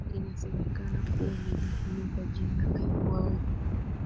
inasemekana kuwa meli hiyo kwa jina yuang